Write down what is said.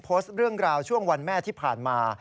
โพสต์เรื่องราวช่วงวันแม่ที่ผ่านมา